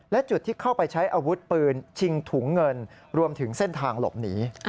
และจุดที่เข้าไปใช้อาวุธปืนชิงถุงเงินรวมถึงเส้นทางหลบหนี